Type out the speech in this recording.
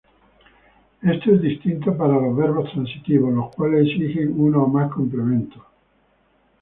Esto es distinto para los verbos transitivos, los cuales exigen uno o más complementos.